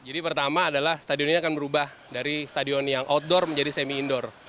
jadi pertama adalah stadion ini akan berubah dari stadion yang outdoor menjadi semi indoor